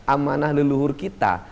amanah leluhur kita